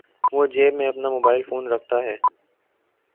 وہ جیب میں اپنا موبائل فون رکھتا ہے۔